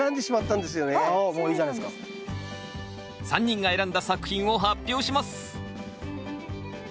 ３人が選んだ作品を発表します。